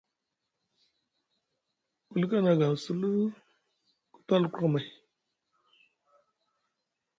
Ku lika nʼagʼaŋ sulu ku tala arku amay/.